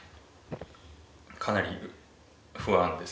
かなり不安です。